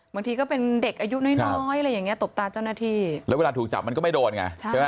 บางทีก็เป็นเด็กอายุน้อยตบตาเจ้าหน้าที่แล้วเวลาถูกจับมันก็ไม่โดนไง